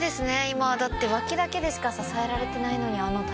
今だって脇だけでしか支えられてないのにあの体幹。